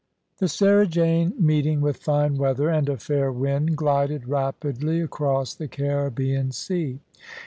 The Sarah Jane meeting with fine weather and a fair wind glided rapidly across the Caribbean Sea.